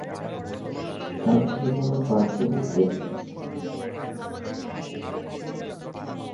কাল শনিবার বাদ জোহর তেজগাঁও নাখালপাড়া জামে মসজিদে তাঁর জানাজা অনুষ্ঠিত হবে।